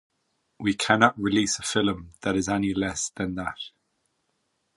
We cannot release a film that is any less than that.